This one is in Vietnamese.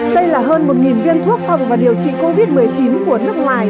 đây là hơn một viên thuốc phòng và điều trị covid một mươi chín của nước ngoài